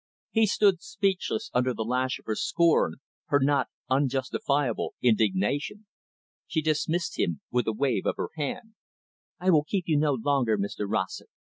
He stood speechless under the lash of her scorn, her not unjustifiable indignation. She dismissed him with a wave of her hand. "I will keep you no longer, Mr Rossett.